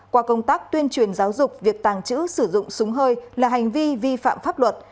qua công tác tuyên truyền giáo dục việc tàng trữ sử dụng súng hơi là hành vi vi phạm pháp luật